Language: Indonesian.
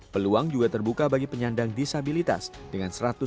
peluang juga terbuka bagi penyandang disabilitas dengan satu ratus enam puluh enam jatuh